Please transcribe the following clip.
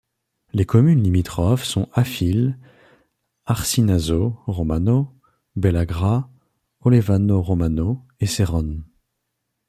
Les communes limitrophes sont Affile, Arcinazzo Romano, Bellegra, Olevano Romano et Serrone.